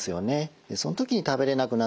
その時に食べれなくなっちゃった。